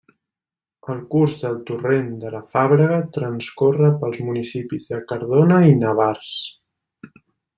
El curs del Torrent de la Fàbrega transcorre pels municipis de Cardona i Navars.